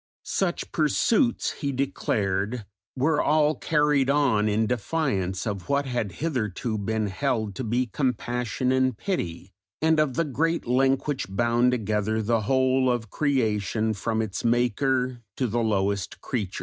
Such pursuits he declared "were all carried on in defiance of what had hitherto been held to be compassion and pity, and of the great link which bound together the whole of creation from its Maker to the lowest creature."